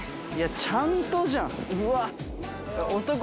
ちゃんとじゃん！